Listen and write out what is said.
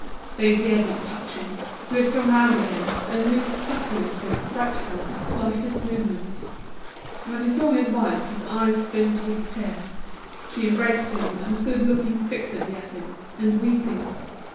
They dared not touch him, who had come round again, and whose sufferings were frightful at the slightest movement. When he saw his wife his eyes filled with tears. She embraced him, and stood looking fixedly at him, and weeping.